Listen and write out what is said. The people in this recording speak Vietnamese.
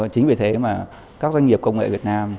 chính vì thế mà các doanh nghiệp công nghệ việt nam